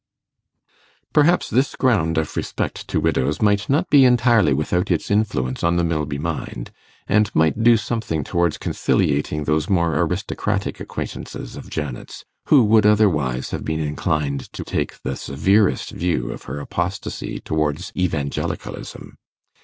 Perhaps this ground of respect to widows might not be entirely without its influence on the Milby mind, and might do something towards conciliating those more aristocratic acquaintances of Janet's, who would otherwise have been inclined to take the severest view of her apostasy towards Evangelicalism.